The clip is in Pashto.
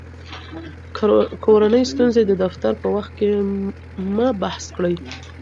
کورني ستونزې د دفتر په وخت کې مه بحث کړئ.